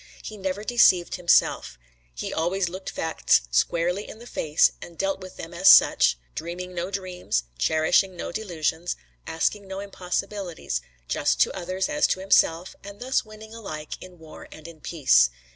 He never deceived himself He always looked facts squarely in the face and dealt with them as such, dreaming no dreams, cherishing no delusions, asking no impossibilities, just to others as to himself, and thus winning alike in war and in peace.